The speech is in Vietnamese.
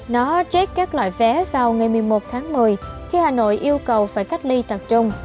nó chết các loại vé vào ngày một mươi một tháng một mươi khi hà nội yêu cầu phải cách ly tập trung